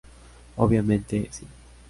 Obviamente, sí.